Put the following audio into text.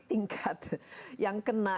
tingkat yang kena